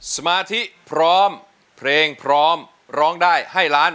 สมาธิพร้อมเพลงพร้อมร้องได้ให้ล้าน